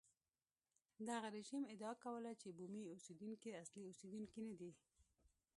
دغه رژیم ادعا کوله چې بومي اوسېدونکي اصلي اوسېدونکي نه دي.